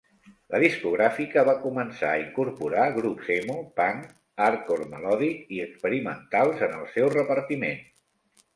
La discogràfica va començar a incorporar grups emo, punk, hardcore melòdic i experimentals en el seu repartiment.